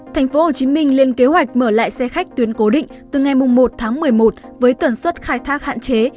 thành phố hồ chí minh liên kế hoạch mở lại xe khách tuyến cố định từ ngày một một mươi một với tuần suốt khai thác hạn chế